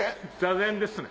坐禅ですね。